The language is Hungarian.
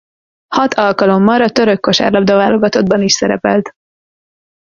Hat alkalommal a török kosárlabda-válogatottban is szerepelt.